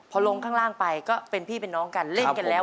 พอลงข้างล่างไปก็เป็นพี่เป็นน้องกันเล่นกันแล้ว